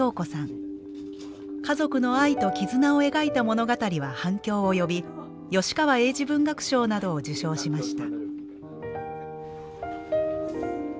家族の愛と絆を描いた物語は反響を呼び吉川英治文学賞などを受賞しました。